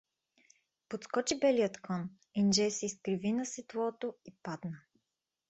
Подскочи белият кон, Индже се изкриви на седлото и падна.